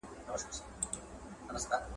په خپل وجود باندې شخوندونه وهل